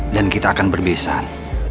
dan kita akan berbisan